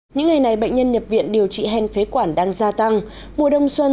những ngày này bệnh nhân nhập viện điều trị hen phế quản đang gia tăng mùa đông xuân